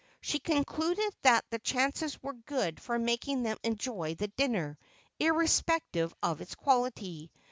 She concluded that the chances were good for making them enjoy the dinner, irrespective of its quality.